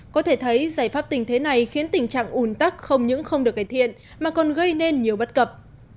có thể thấy giải pháp tình thế này khiến tình trạng ủn tắc không những không được cải thiện mà còn gây nên nhiều bất cập